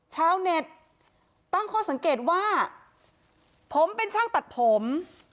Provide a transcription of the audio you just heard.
ชาวเน็ตตั้งข้อสังเกตว่าผมเป็นช่างตัดผม